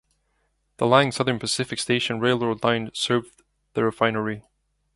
The Lang Southern Pacific Station railroad line served the refinery.